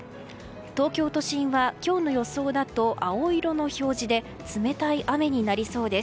東京都心は、今日の予想だと青色の表示で冷たい雨になりそうです。